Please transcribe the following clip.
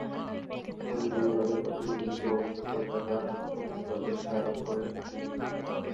পরে বেড়িবাঁধের পাশে গুলিবিদ্ধ অবস্থায় পড়ে থাকা মোহাম্মদ দরবেশকে আটক করে বিজিবি।